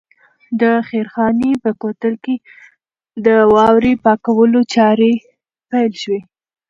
د خیرخانې په کوتل کې د واورې پاکولو چارې پیل شوې.